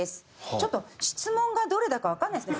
ちょっと質問がどれだかわからないですね